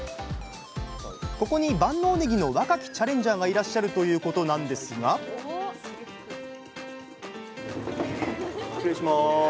ここに万能ねぎの若きチャレンジャーがいらっしゃるということなんですが失礼します。